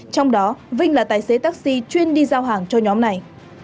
trong đó vinh là tài xế taxi chuyên đi giao hàng cho nhóm này